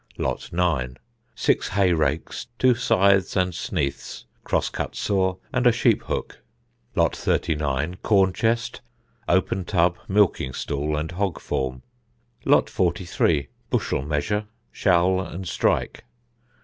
Lot 9. Six hay rakes, two scythes and sneaths, cross cut saw, and a sheep hook. Lot 39. Corn chest, open tub, milking stool, and hog form. Lot 43. Bushel measure, shaul and strike.